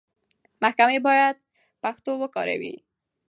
محکمې بايد پښتو وکاروي.